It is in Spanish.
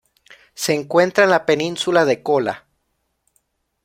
Se encuentra en la Península de Kola.